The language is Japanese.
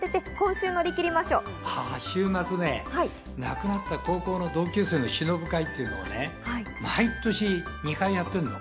週末ね、亡くなった高校の同級生をしのぶ会っていうのをね、毎年２回やってるの。